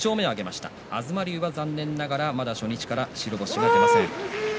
東龍は残念ながらまだ初日から白星が出ません。